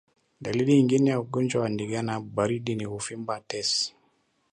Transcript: Dalili nyingine ya ugonjwa wa ndigana baridi ni kuvimba kwa tezi